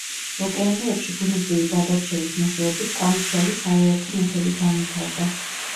ოკეანეებში ბუნებრივი გადარჩევის მეშვეობით კამუფლაჟის არაერთი მეთოდი განვითარდა.